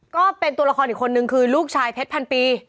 ก็เป็นตัวละครอีกคนนึงคือลูกชายเพชรพันปี